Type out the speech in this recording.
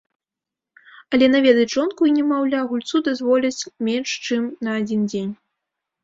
Але наведаць жонку і немаўля гульцу дазволяць менш чым на адзін дзень.